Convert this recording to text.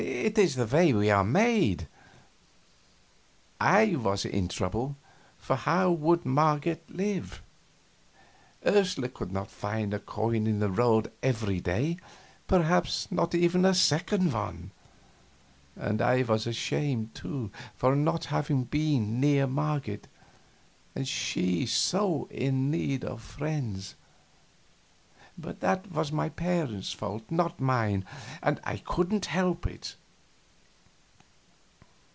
It is the way we are made. I was in trouble, for how would Marget live? Ursula could not find a coin in the road every day perhaps not even a second one. And I was ashamed, too, for not having been near Marget, and she so in need of friends; but that was my parents' fault, not mine, and I couldn't help it.